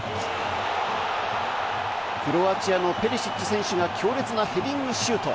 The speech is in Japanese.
クロアチアのペリシッチ選手が強烈なヘディングシュート。